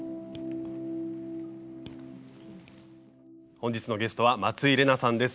本日のゲストは松井玲奈さんです。